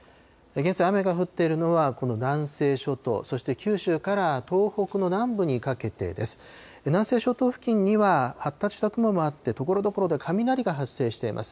現在、雨が降っているのは、この南西諸島、そして九州から東北の南部にかけてです。